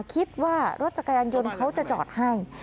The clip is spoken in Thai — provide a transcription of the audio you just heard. คิดว่ารถจักรยานยนต์เขาจะจอดให้